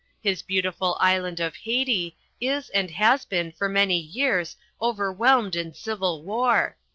His beautiful island of Haiti is and has been for many years overwhelmed in civil war.